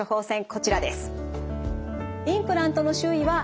こちらです。